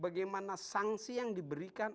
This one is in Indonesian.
bagaimana sanksi yang diberikan